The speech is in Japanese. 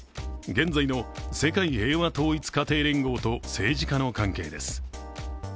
現在の世界平和統一家庭連合と政治家の関係です。